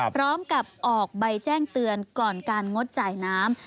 พร้อมกับออกใบแจ้งเตือนก่อนการงดจ่ายน้ำ